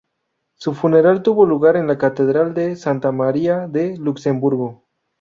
Su funeral tuvo lugar en la Catedral de Santa María de Luxemburgo.